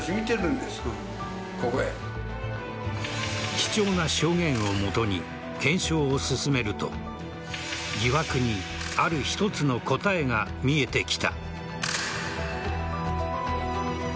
貴重な証言を基に検証を進めると疑惑にある一つの答えが見えてきた。